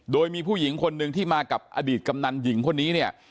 โดยมีผู้หญิงคนหนึ่งที่มากับอดีตกำนันหญิงคนนี้เนี่ย